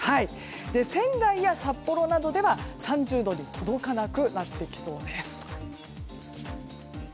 仙台や札幌などでは３０度に届かなくなってきそうです。